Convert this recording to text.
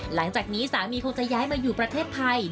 หลังจากนี้สามีคงจะย้ายมาอยู่ประเทศไทย